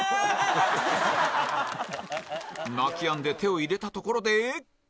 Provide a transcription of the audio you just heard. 泣きやんで手を入れたところで